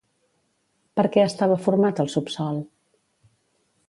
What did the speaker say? Per què estava format el subsòl?